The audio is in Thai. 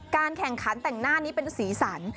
การแข่งขันแต่งหน้านี้เป็นสีสัน